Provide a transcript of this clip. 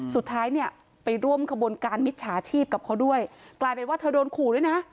สุดท้ายเนี่ยไปร่วมขบวนการมิจฉาชีพกับเขาด้วยกลายเป็นว่าเธอโดนขู่ด้วยนะ